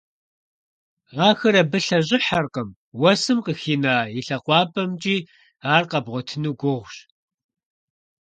Ахэр абы лъэщIыхьэркъым, уэсым къыхина и лъакъуапIэмкIи ар къэбгъуэтыну гугъущ.